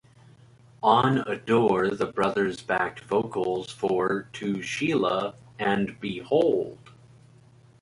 On "Adore", the brothers backed vocals for "To Sheila" and "Behold!